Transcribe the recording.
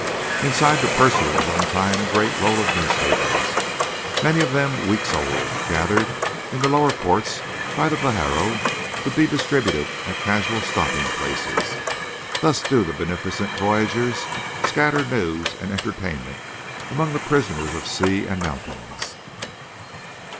Inside, the purser was untying a great roll of newspapers, many of them weeks old, gathered in the lower ports by the Pajaro to be distributed at casual stopping places. Thus do the beneficent voyagers scatter news and entertainment among the prisoners of sea and mountains.